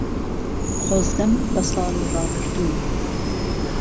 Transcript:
خۆزگهم به ساڵی ڕابردوو